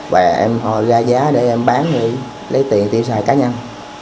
và em ra giá để em bán lấy tiền tiêu xài cá nhân